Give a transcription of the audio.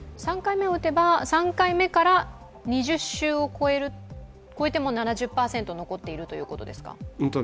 ３回目を打てば３回目から２０週を超えても７０％残っているということですか？